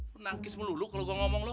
menangkis melulu kalau gue ngomong lu